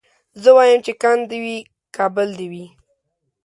زه وايم چي کند دي وي کابل دي وي